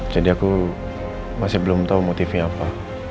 jadi aku masih belum tau motifi apa